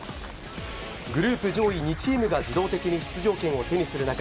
グループ上位２チームが自動的に出場権を手にする中